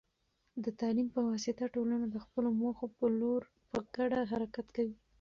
د تعلیم په واسطه، ټولنه د خپلو موخو په لور په ګډه حرکت کوي.